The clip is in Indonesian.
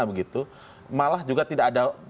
begitu malah juga tidak ada